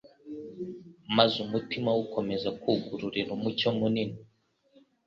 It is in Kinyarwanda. maze umutima we ukomeza kugururira umucyo munini